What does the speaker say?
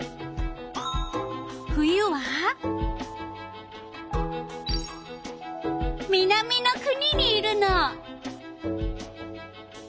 冬は南の国にいるの。